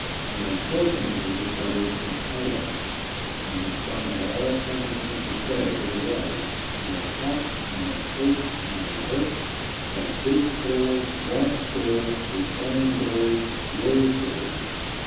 They unfortunately discovered some pyrites, and in spite of all Captain Smith could say, there was "no talk, no hope, no work, but dig gold, wash gold, refine gold, load gold."